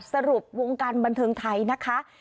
สรุปวงการบันเทิงไทยนะคะ